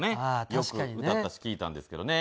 よく歌ったし聞いたんですけどね。